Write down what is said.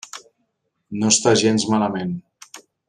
No està gens malament.